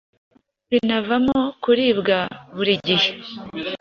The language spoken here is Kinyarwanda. binavamo kuribwa buri gihe.